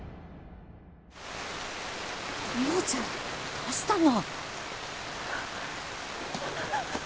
美穂ちゃんどうしたの？